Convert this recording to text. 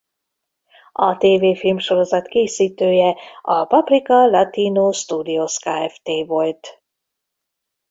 A tévéfilmsorozat készítője a Paprika Latino Studios Kft volt.